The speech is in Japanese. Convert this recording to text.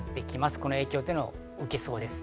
この影響というのを受けそうです。